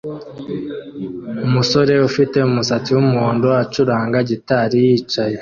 Umusore ufite umusatsi wumuhondo acuranga gitari yicaye